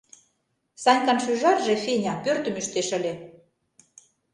Санькан шӱжарже, Феня, пӧртым ӱштеш ыле.